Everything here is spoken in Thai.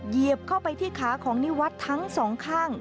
เหยียบเข้าไปที่ขาของนิวัฒน์ทั้งสองข้าง